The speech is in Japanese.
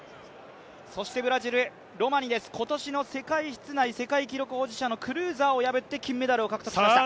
そしてブラジル、ロマニです今年の世界室内、世界記録保持者のクルーザーを破って世界陸上の舞台にやってきました。